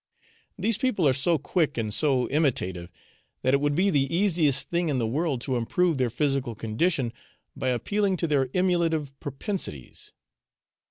These people are so quick and so imitative that it would be the easiest thing in the world to improve their physical condition by appealing to their emulative propensities.